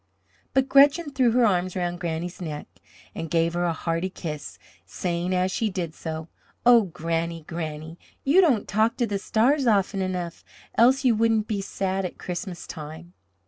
but Gretchen threw her arm around Granny's neck and gave her a hearty kiss, saying as she did so: "Oh, Granny, Granny, you don't talk to the stars often enough, else you wouldn't be sad at Christmas time."